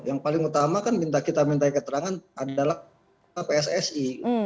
yang paling utama kan minta kita minta keterangan adalah pssi